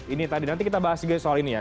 ini tadi nanti kita bahas juga soal ini ya